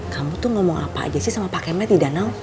kamu tuh ngomong apa aja sih sama pakemnya di danau